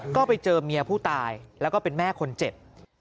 ก็ไปเจอเมียผู้ตายแล้วก็เป็นแม่คนเจ็บ